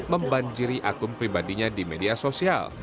membanjiri akun pribadinya di media sosial